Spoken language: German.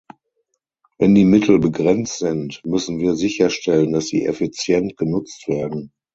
Wenn die Mittel begrenzt sind, müssen wir sicherstellen, dass sie effizient genutzt werden.